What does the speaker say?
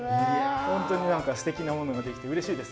本当にすてきなものができてうれしいです。